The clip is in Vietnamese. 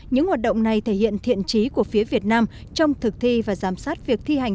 những hoạt động này thể hiện thiện trí của phía việt nam trong thực thi và giám sát việc thi hành